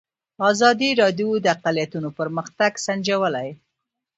ازادي راډیو د اقلیتونه پرمختګ سنجولی.